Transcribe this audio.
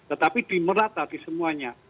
tetapi di merata di semuanya